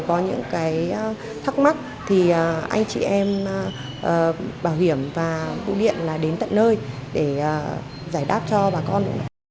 có những cái thắc mắc thì anh chị em bảo hiểm và biêu điện là đến tận nơi để giải đáp cho bà con